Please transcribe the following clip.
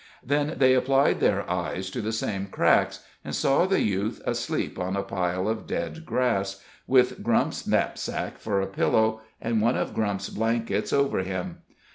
Then they applied their eyes to the same cracks, and saw the youth asleep on a pile of dead grass, with Grump's knapsack for a pillow, and one of Grump's blankets over him.